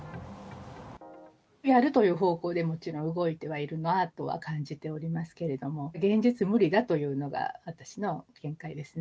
やるという方向でもちろん、動いてはいるなとは感じておりますけれども、現実無理だというのが、私の見解ですね。